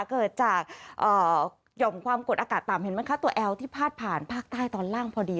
เกิดจากหย่อมความกดอากาศต่ำเห็นไหมคะตัวแอลที่พาดผ่านภาคใต้ตอนล่างพอดี